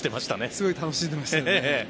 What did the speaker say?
すごい楽しんでましたよね。